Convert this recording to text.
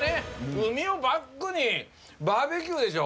海をバックにバーベキューでしょ？